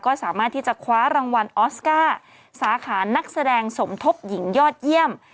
ก็สามารถที่จะคว้ารางวัลออสการ์สาขานักแสดงสมทบหญิงยอดเยี่ยม